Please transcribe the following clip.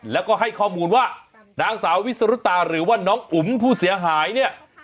แล้วก็ให้ข้อมูลว่านางสาววิสรุตาหรือว่าน้องอุ๋มผู้เสียหายเนี่ย